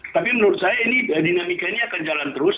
tapi menurut saya ini dinamika ini akan jalan terus